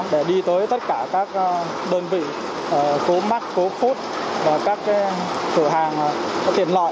để đi tới tất cả các đơn vị khu mắt khu phút và các cửa hàng tiền loại